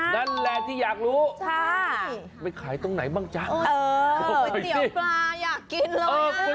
นั่นแหละที่อยากรู้ไปขายตรงไหนบ้างจ๊ะก๋วยเตี๋ยวปลาอยากกินเลย